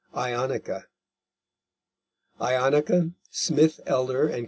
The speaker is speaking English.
IONICA IONICA. _Smith Elder & Co.